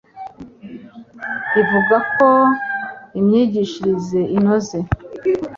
rivuga ko imyigishirize inoze